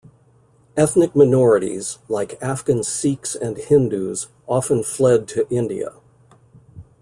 Ethnic minorities, like Afghan Sikhs and Hindus, often fled to India.